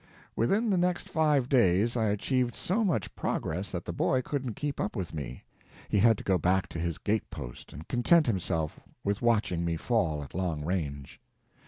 Within the next five days I achieved so much progress that the boy couldn't keep up with me. He had to go back to his gate post, and content himself with watching me fall at long range.